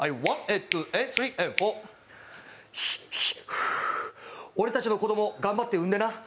ひっひっふー、俺たちの子供、頑張って産んでな。